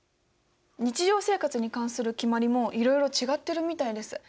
日常生活に関する決まりもいろいろ違ってるみたいです。